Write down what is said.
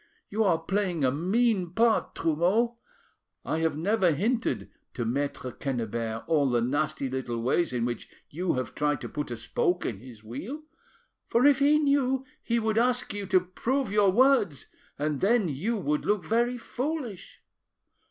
You are playing a mean part, Trumeau. I have never hinted to Maitre Quennebert all the nasty little ways in which you have tried to put a spoke in his wheel, for if he knew he would ask you to prove your words, and then you would look very foolish.".